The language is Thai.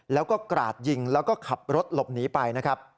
แล้วก็กราดยิงแล้วก็ขับรถหลบหนีไปนะครับ